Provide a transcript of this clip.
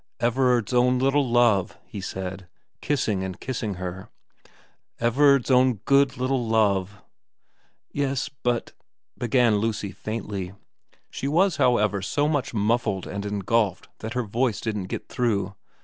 ' Everard's own little love,' he said, kissing and kissing her. ' Everard's own good little love.' ' Yes, but ' began Lucy faintly. She was, how ever, so much muffled and engulfed that her voice didn't get through.